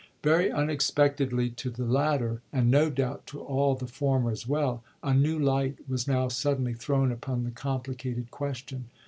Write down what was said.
Very unexpectedly to the latter, and no doubt to all the former as well, a new light was now suddenly thrown upon the complicated question.